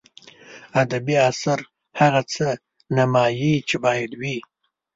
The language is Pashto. ادبي اثر هغه څه نمایي چې باید وي.